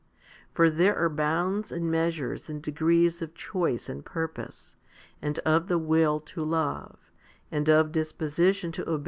For there are bounds and measures and degrees of choice and purpose, and of the will to love, and of disposition to obey 1 John iii.